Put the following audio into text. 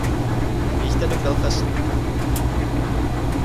Jeďte do Belfastu.